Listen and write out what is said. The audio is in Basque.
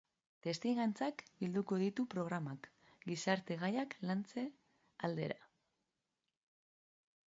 Testigantzak bilduko ditu programak, gizarte gaiak lantze aldera.